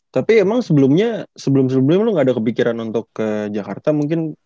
tapi emang sebelumnya sebelum sebelumnya lo gak ada kepikiran untuk ke jakarta mungkin